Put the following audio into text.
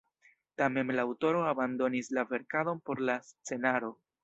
Tamen la aŭtoro abandonis la verkadon por la scenaro.